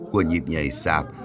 của nhịp nhảy sạp